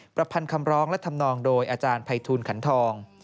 ประพันธ์คำร้องและทำนองโดยอาจารย์ภัยทูลขันทอง